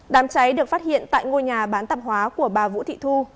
đám cháy được phát hiện tại ngôi nhà bán tạp hóa của bà vũ thị thu